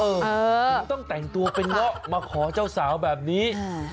ถึงต้องแต่งตัวเป็นเงาะมาขอเจ้าสาวแบบนี้